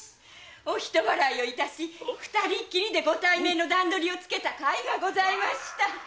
お人払いをいたし二人きりでご対面の段取りをつけた甲斐がございました。